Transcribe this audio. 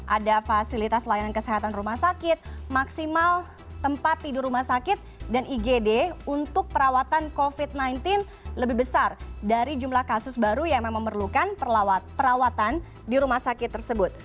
ada fasilitas layanan kesehatan rumah sakit maksimal tempat tidur rumah sakit dan igd untuk perawatan covid sembilan belas lebih besar dari jumlah kasus baru yang memang memerlukan perawatan di rumah sakit tersebut